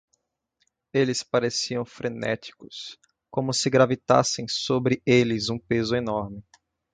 Eles pareciam frenéticos, como se gravitassem sobre eles um peso enorme.